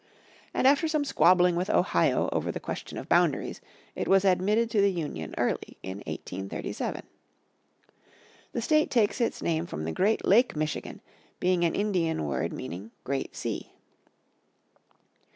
And after some squabbling with Ohio over the question of boundaries it was admitted to the Union early in 1837. The state takes its name from the great lake Michigan, being an Indian word meaning "Great Sea."